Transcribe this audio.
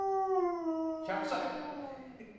１００歳。